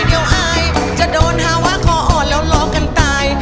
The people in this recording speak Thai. เดี๋ยวอายจะโดนหาว่าคออ่อนแล้วล้อกันตาย